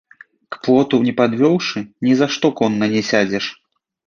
К плоту не падвёўшы, ні за што конна не сядзеш.